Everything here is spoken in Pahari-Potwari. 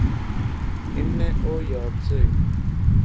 انیں او یاد سے